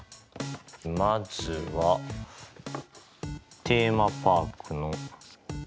まずはテーマパークの「テ」。